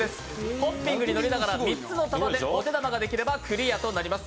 ホッピングに乗りながら３つの玉でお手玉ができればクリアとなります。